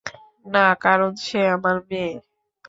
না, কারণ সে আমার মেয়ে।